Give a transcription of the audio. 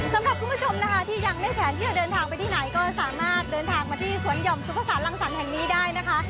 สำหรับคุณผู้ชมนะคะที่ยังไม่แผนที่จะเดินทางไปที่ไหนก็สามารถเดินทางมาที่สวนหย่อมสุภาษาลังสรรค์แห่งนี้ได้นะคะ